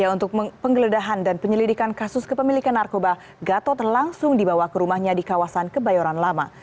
untuk penggeledahan dan penyelidikan kasus kepemilikan narkoba gatot langsung dibawa ke rumahnya di kawasan kebayoran lama